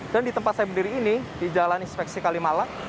dan di tempat saya berdiri ini di jalan inspeksi kalimalang